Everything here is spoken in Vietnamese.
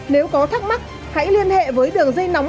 nếu có thắc mắc hãy liên hệ với đường dây nóng